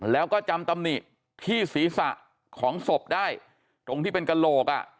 แล้วก็จำตำหนิที่ศีรษะของศพได้ตรงที่เป็นกระโหลกอ่ะ